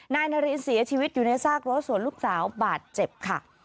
นายนารินเสียชีวิตอยู่ในซากรถส่วนลูกสาวบาดเจ็บค่ะ